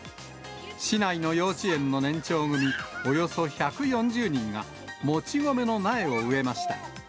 市内の幼稚園の年長組およそ１４０人が、もち米の苗を植えました。